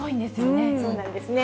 そうなんですよね。